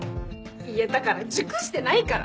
いやだから熟してないから。